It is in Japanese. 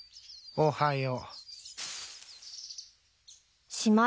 おはよう。